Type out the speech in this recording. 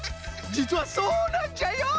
じつはそうなんじゃよ！